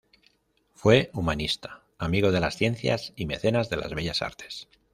Fue humanista, amigo de las ciencias y mecenas de las bellas artes.